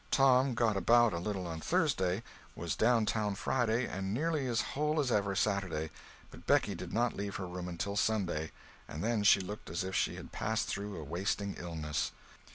Tom got about, a little, on Thursday, was downtown Friday, and nearly as whole as ever Saturday; but Becky did not leave her room until Sunday, and then she looked as if she had passed through a wasting illness.